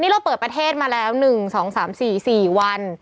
เราเปิดประเทศมาแล้ว๑๒๓๔๔วัน